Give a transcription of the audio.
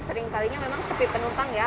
sering kalinya memang sepi penumpang ya